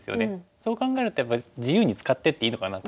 そう考えるとやっぱり自由に使ってっていいのかなって。